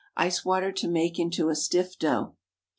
Ice water to make into a stiff dough.